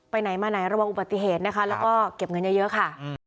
ไหนมาไหนระวังอุบัติเหตุนะคะแล้วก็เก็บเงินเยอะค่ะ